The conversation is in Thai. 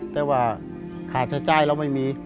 แต่ว่าขาดชายใจแล้วไม่มี